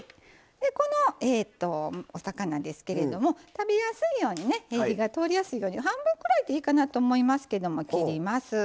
でこのお魚ですけれども食べやすいようにね火が通りやすいように半分くらいでいいかなと思いますけども切ります。